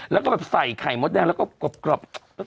แล้วก็แบบใส่ไข่มดแดงแล้วก็กรอบ